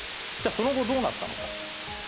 じゃあ、その後どうなったのか。